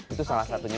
itu salah satunya